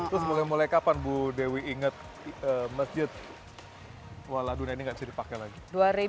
terus mulai kapan bu dewi ingat masjid waladuna ini gak bisa dipakai lagi